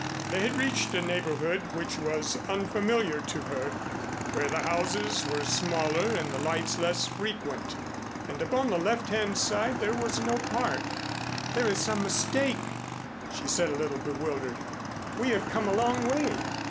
They had reached a neighborhood which was unfamiliar to her, where the houses were smaller and the lights less frequent, and upon the left hand side there was no Park. "There is some mistake," she said a little bewildered. "We have come a long way."